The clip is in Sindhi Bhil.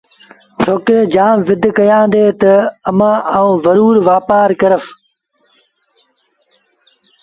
ڇوڪري جآم زد ڪيآݩدي تا امآݩ آئوݩ زرور وآپآر ڪرس